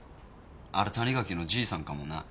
あれ谷垣のじいさんかもな。